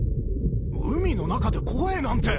海の中で声なんて。